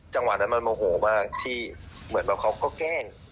จังหวะนั้นมันโมโหมากที่เหมือนแบบเขาก็แกล้ง